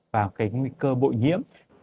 và cái nguy cơ bội nhiễm